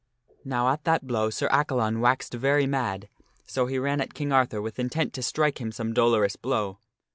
Now at that blow Sir Accalon waxed very mad, so he ran at King Arthur with intent to strike him some dolorous blow.